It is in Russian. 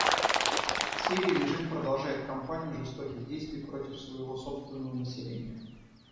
В Сирии режим продолжает кампанию жестоких действий против своего собственного населения.